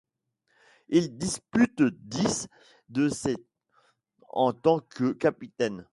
Il dispute dix de ses en tant que capitaine.